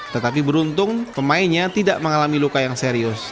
tetapi beruntung pemainnya tidak mengalami luka yang serius